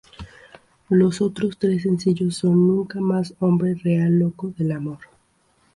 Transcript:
Los otros tres sencillos son: Nunca Más-Hombre Real-Loco de amor.